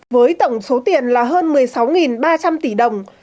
với tổng số tiền là hơn một mươi sáu ba trăm linh tỷ đồng